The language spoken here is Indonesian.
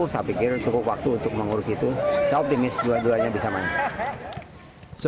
sebelumnya badan olahraga kitas kitas dan kitas